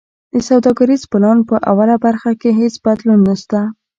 د سوداګریز پلان په اوله برخه کی هیڅ بدلون نشته.